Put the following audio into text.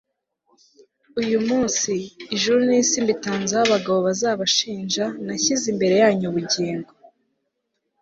uyu munsi, ijuru n'isi mbitanzeho abagabo bazabashinja nashyize imbere yanyu ubugingo